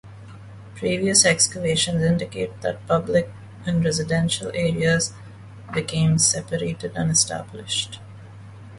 Previous excavations indicate that public and residential areas became separated and established.